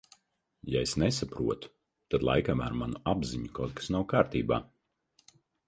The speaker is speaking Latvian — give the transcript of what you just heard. Ja es nesaprotu, tad laikam ar manu apziņu kaut kas nav kārtībā.